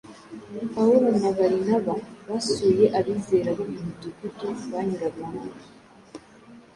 Pawulo na Barinaba basuye abizera bo mu midugudu banyuragamo